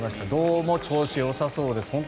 どうも調子よさそうです。